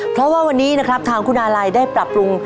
เพราะว่าวันนี้นะครับทางคุณอาลัยได้ปรับปรุง